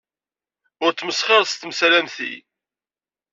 Ur smesxiret s temsal am ti.